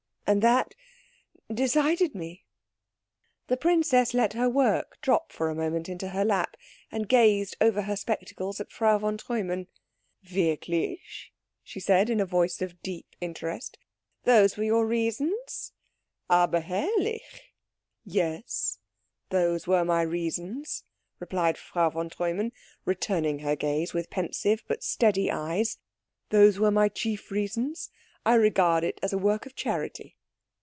And that decided me." The princess let her work drop for a moment into her lap, and gazed over her spectacles at Frau von Treumann. "Wirklich?" she said in a voice of deep interest. "Those were your reasons? Aber herrlich." "Yes, those were my reasons," replied Frau von Treumann, returning her gaze with pensive but steady eyes. "Those were my chief reasons. I regard it as a work of charity."